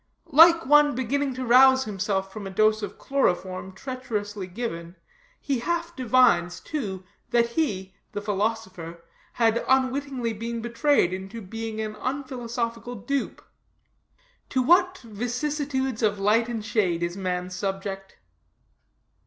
Like one beginning to rouse himself from a dose of chloroform treacherously given, he half divines, too, that he, the philosopher, had unwittingly been betrayed into being an unphilosophical dupe. To what vicissitudes of light and shade is man subject!